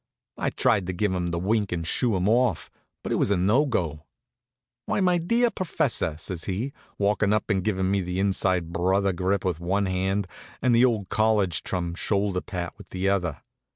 I tried to give him the wink and shoo him off, but it was no go. "Why, my dear professor!" says he, walkin' up and givin' me the inside brother grip with one hand and the old college chum shoulder pat with the other.